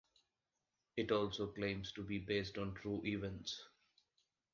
It also claims to be based on true events.